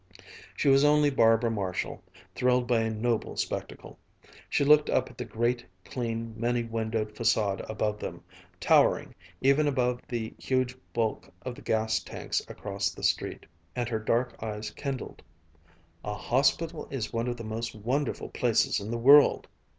She was only Barbara Marshall, thrilled by a noble spectacle. She looked up at the great, clean, many windowed façade above them, towering, even above the huge bulk of the gas tanks across the street, and her dark eyes kindled. "A hospital is one of the most wonderful places in the world!"